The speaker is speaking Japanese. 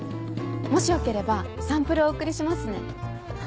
もしよければサンプルお送りしますね。